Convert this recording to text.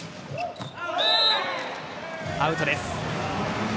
アウトです。